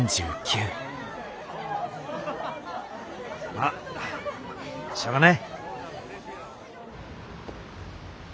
まっしょうがない。